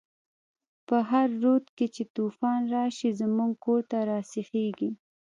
په هر رود چی توفان راشی، زموږ کور ته راسيخيږی